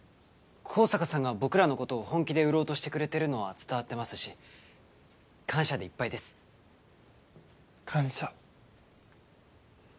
香坂さんが僕らのことを本気で売ろうとしてくれてるのは伝わってますし感謝でいっぱいです感謝